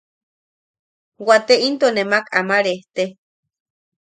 Waate into nemak ama rejte.